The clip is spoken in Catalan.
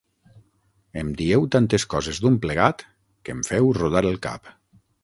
Em dieu tantes coses d'un plegat, que em feu rodar el cap.